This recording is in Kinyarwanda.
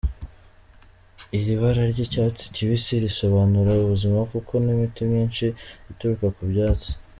Iri bara ry’icyatsi kibisi risobanura ubuzima kuko n’imiti myinshi ituruka mu byatsi.